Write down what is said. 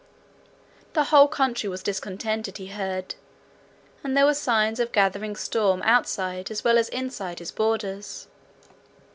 The whole country was discontented, he heard, and there were signs of gathering storm outside as well as inside his borders.